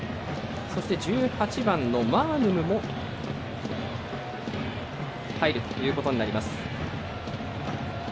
そして、１８番のマーヌムも入るということになります。